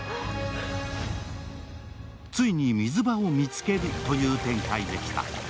ついに水場を見つけるという展開でした。